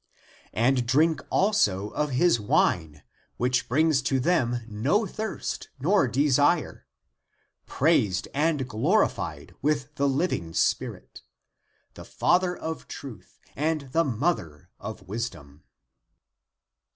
And drink also of his wine, Which brings to them no thirst nor desire, Praised and glorified w4th the living spirit The Father of truth and the mother of wisdom."